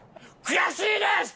悔しいです！！